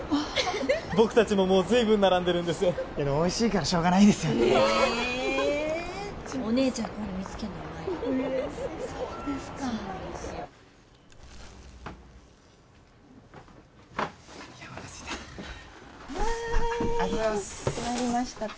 僕達ももう随分並んでるんですけどおいしいからしょうがないですよねねえお姉ちゃんこういうの見つけるのうまいのいやおなかすいたはいありがとうございます決まりましたか？